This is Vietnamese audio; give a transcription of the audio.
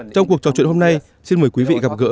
trong cuộc trò chuyện hôm nay xin mời quý vị gặp gỡ